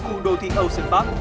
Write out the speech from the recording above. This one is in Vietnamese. khu đô thị âu sơn bắc